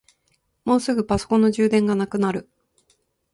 もうすぐパソコンの充電がなくなる。